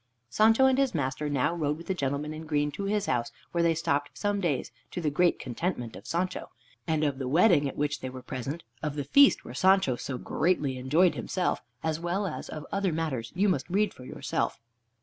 Sancho and his master now rode with the gentleman in green to his house, where they stopped some days, to the great contentment of Sancho. And of the wedding at which they were present, of the feast where Sancho so greatly enjoyed himself, as well as of other matters, you must read for yourself.